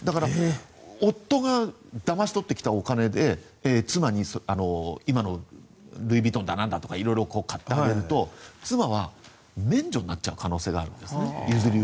だから夫がだまし取ってきたお金で妻に今のルイ・ヴィトンだなんだって色々、買ってあげると妻は免除になってしまう可能性があるんですね。